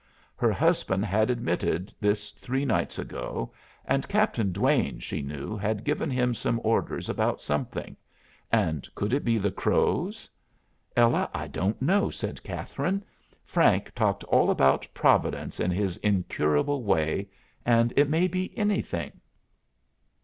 Her husband had admitted this three nights ago; and Captain Duane (she knew) had given him some orders about something; and could it be the Crows? "Ella, I don't know," said Catherine. "Frank talked all about Providence in his incurable way, and it may be anything."